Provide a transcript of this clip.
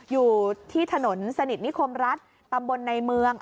อยู่ที่ถนนสนิทนิคมรัฐตำบลในเมือง